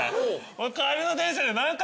帰りの電車で何回